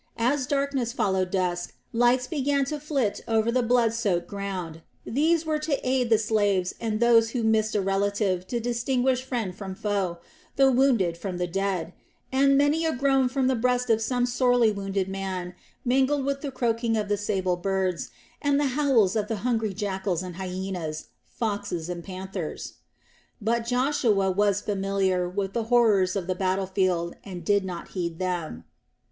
As darkness followed dusk lights began to flit over the blood soaked ground. These were to aid the slaves and those who missed a relative to distinguish friend from foe, the wounded from the dead; and many a groan from the breast of some sorely wounded man mingled with the croaking of the sable birds, and the howls of the hungry jackals and hyenas, foxes and panthers. But Joshua was familiar with the horrors of the battle field and did not heed them.